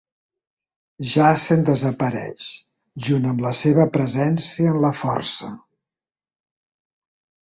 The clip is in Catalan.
Jacen desapareix, junt amb la seva presència en la Força.